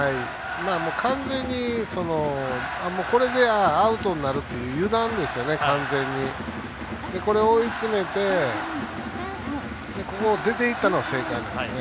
完全にアウトになるという油断ですよね、完全に。追い詰めてここ出ていったのは正解なんですね。